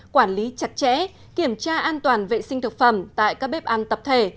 quản lý chặt chẽ kiểm tra an toàn vệ sinh thực phẩm tại các bếp ăn tập thể